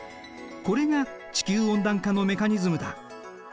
これが地球温暖化のメカニズムだ。